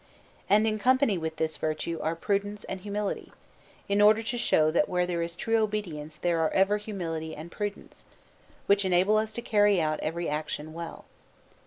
And in company with this virtue are Prudence and Humility, in order to show that where there is true obedience there are ever humility and prudence, which enable us to carry out every action well.